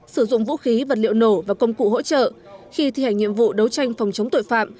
sử dụng vũ khí vật liệu nổ và công cụ hỗ trợ khi thi hành nhiệm vụ đấu tranh phòng chống tội phạm